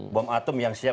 bom atom yang siap